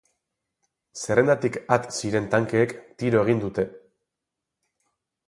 Zerrendatik at ziren tankeek tiro egin dute.